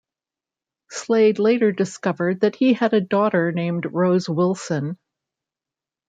Slade later discovered that he had a daughter named Rose Wilson.